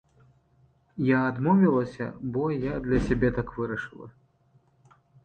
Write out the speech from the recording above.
Я адмовілася, бо я для сябе так вырашыла.